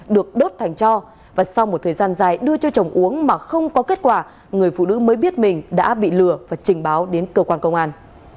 được đốt thành cho và sau một thời gian dài đưa cho chồng uống mà không có kết quả người phụ nữ mới biết mình đã bị lừa và trình báo đến cơ quan công an